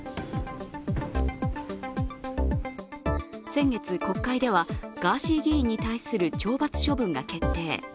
先月国会ではガーシー議員に対する、懲罰処分が決定。